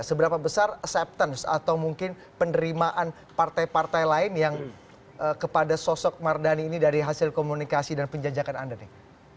seberapa besar acceptance atau mungkin penerimaan partai partai lain yang kepada sosok mardhani ini dari hasil komunikasi dan penjajakan anda nih